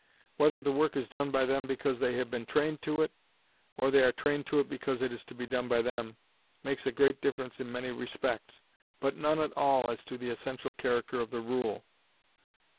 Whether the work is done by them because they have been trained to it, or they are trained to it because it is to be done by them, makes a great difference in many respects, but none at all as to the essential character of the rule.